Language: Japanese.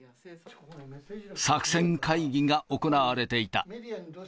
作戦会議が行われていた。